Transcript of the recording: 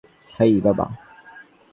হেই, বাবা।